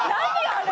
あれ。